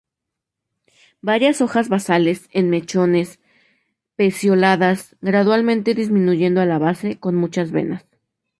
Varias hojas basales, en mechones, pecioladas, gradualmente disminuyendo a la base, con muchas venas.